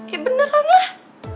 ya beneran lah